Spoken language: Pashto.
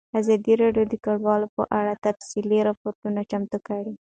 ازادي راډیو د کډوال په اړه تفصیلي راپور چمتو کړی.